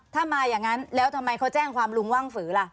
ถ้ามาอย่างนั้นแล้วทำไมเขาแจ้งความลุงว่างฝือล่ะ